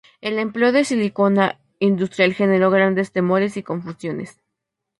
El empleo de silicona industrial generó grandes temores y confusiones.